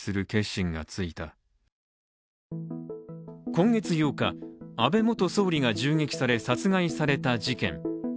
今月８日、安倍元総理が銃撃され殺害された事件。